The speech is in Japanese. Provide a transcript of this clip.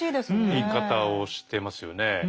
言い方をしてますよね。